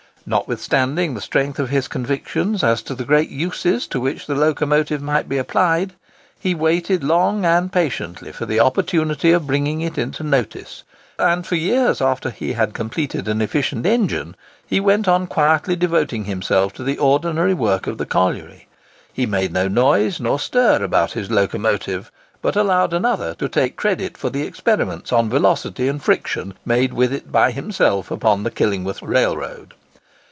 Notwithstanding the strength of his convictions as to the great uses to which the locomotive might be applied, he waited long and patiently for the opportunity of bringing it into notice; and for years after he had completed an efficient engine he went on quietly devoting himself to the ordinary work of the colliery. He made no noise nor stir about his locomotive, but allowed another to take credit for the experiments on velocity and friction made with it by himself upon the Killingworth railroad.